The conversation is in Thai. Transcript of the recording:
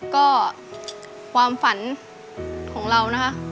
ค่ะก็ความฝันของเรานะครับ